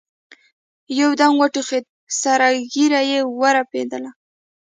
يودم وټوخېد سره ږيره يې ورپېدله.